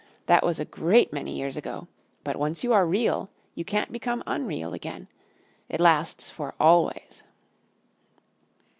"That was a great many years ago; but once you are Real you can't become unreal again. It lasts for always."